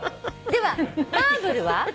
ではマーブルは？」